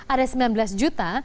ada sembilan belas juta